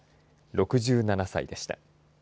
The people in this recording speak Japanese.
６７歳でした。